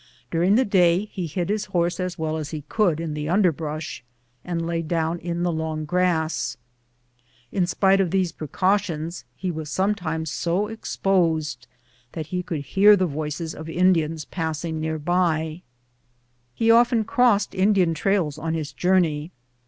During the day he hid his horse as well as he could in the underbrush, and lay down in the long grass. In spite of these precautions he was sometimes so exposed that he could hear the voices of Indians passing near. He often crossed Indi an trails on his journey.